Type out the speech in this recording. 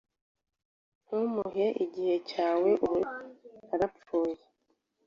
Ntumuhe ikiganza cyawe ubu narapfuye;